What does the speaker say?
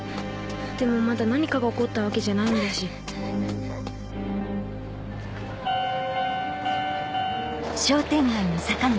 でもまだ何かが起こったわけじゃないんだしハァハァ。